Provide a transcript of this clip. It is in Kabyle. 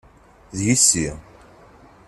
D yessi.